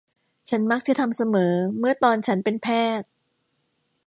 ฉันมักจะทำเสมอเมื่อตอนฉันเป็นแพทย์